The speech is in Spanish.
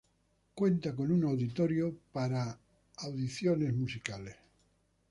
Cuenta con un auditorio para eventos musicales.